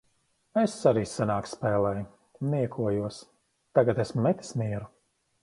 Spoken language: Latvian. Es arī senāk spēlēju. Niekojos. Tagad esmu metis mieru.